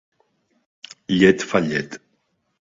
Llet fa llet.